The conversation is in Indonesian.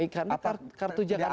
karena kartu jakarta